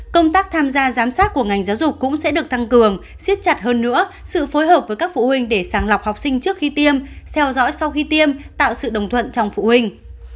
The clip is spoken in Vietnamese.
công tác tham gia giám sát của ngành giáo dục cũng sẽ được tăng cường siết chặt hơn nữa sự phối hợp với các phụ huynh để sàng lọc học sinh trước khi tiêm theo dõi sau khi tiêm tạo sự đồng thuận trong phụ huynh